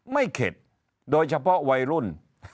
เข็ดโดยเฉพาะวัยรุ่น